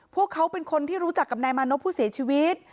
พวกเขาเป็นคนที่รู้จักกับนายมานพผู้เสียชีวิต